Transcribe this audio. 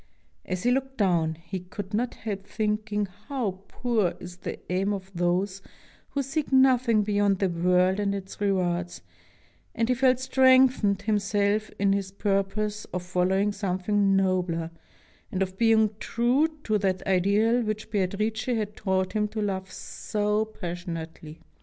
As he looked down, he could not help thinking how poor is the aim of those who seek nothing beyond the world and its rewards, and he felt strengthened him self in his purpose of following something nobler, and of being true to that ideal which Beatrice had taught him to love so passionately.